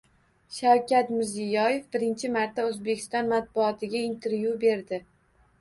Shavkat Mirziyoyev birinchi marta O‘zbekiston matbuotiga intervyu berdi